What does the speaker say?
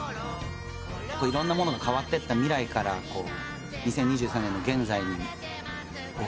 いろんなものが変わってった未来から２０２３年の現在を振り返って見る。